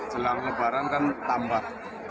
jelang barang kan tambah